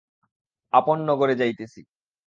আপন নগরে যাইতেছি।